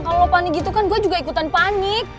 kalau panik gitu kan gue juga ikutan panik